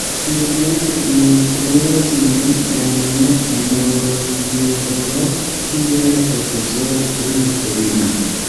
Tiutempe instruas li en Novjorko kiel profesoro pri historio.